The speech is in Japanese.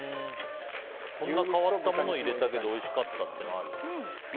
こんな変わったもの入れたけどおいしかったっていうのある？